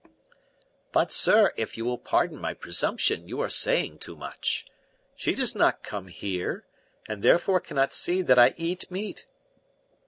"But, sir, if you will pardon my presumption, you are saying too much. She does not come here, and therefore cannot see that I eat meat.